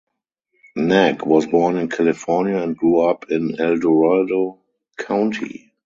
Nag was born in California and grew up in El Dorado County.